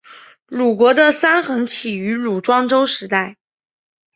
鲁国的三桓起于鲁庄公时代。